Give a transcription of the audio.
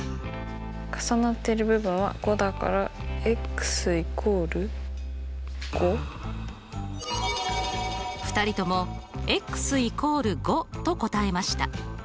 重なっている部分は５だから２人とも＝５と答えました。